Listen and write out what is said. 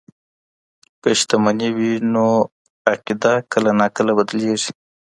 که شتمني وي نو عقیده کله ناکله بدلیږي.